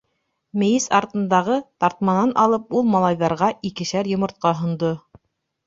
Мейес артындағы тартманан алып, ул малайҙарға икешәр йомортҡа һондо.